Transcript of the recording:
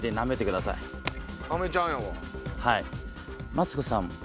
マツコさん